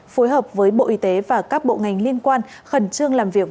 phối hợp với bộ y tế và các bộ ngành liên quan khẩn trương làm việc